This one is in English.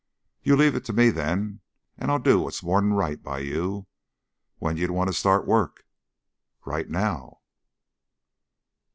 "You leave it to me, then, and I'll do what's more'n right by you. When d'you want to start work?" "Right now."